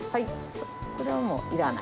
これはもういらない。